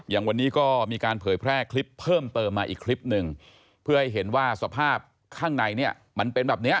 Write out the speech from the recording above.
อย่างวันนี้ก็มีการเผยแพร่คลิปเพิ่มเติมมาอีกคลิปหนึ่งเพื่อให้เห็นว่าสภาพข้างในเนี่ยมันเป็นแบบเนี้ย